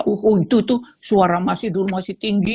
oh itu tuh suara masih dulu masih tinggi